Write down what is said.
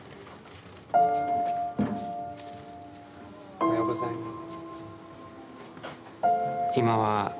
おはようございます。